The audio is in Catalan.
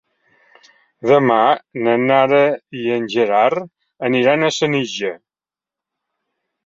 Demà na Nara i en Gerard aniran a Senija.